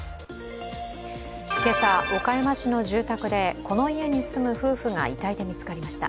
今朝、岡山市の住宅でこの家に住む夫婦が遺体で見つかりました。